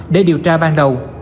để điều tra ban đầu